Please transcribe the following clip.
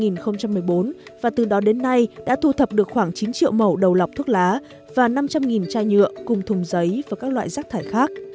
năm hai nghìn một mươi bốn và từ đó đến nay đã thu thập được khoảng chín triệu mẫu đầu lọc thuốc lá và năm trăm linh chai nhựa cùng thùng giấy và các loại rác thải khác